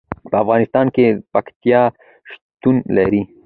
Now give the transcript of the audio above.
په افغانستان کې پکتیکا شتون لري.